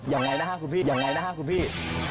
ยังไงนะครับคุณพี่